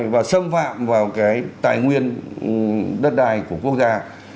và xâm phạm vào cái tài nguyên đất đai của quốc gia